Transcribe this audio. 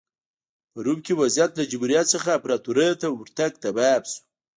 په روم کې وضعیت له جمهوریت څخه امپراتورۍ ته ورتګ تمام شو